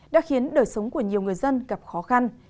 đã khiến đời sống của nhiều người dân gặp khó khăn